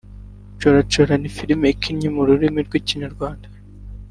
Chora chora ni filime ikinnye mu rurimi rw’ikinyarwanda